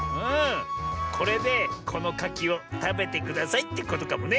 これでこのかきをたべてくださいってことかもね。